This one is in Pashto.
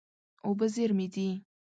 اوبه زېرمې دي.